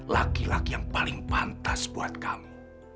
laki laki yang paling pantas buat kamu